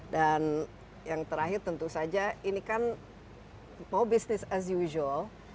yang terakhir tentu saja ini kan mau business as usual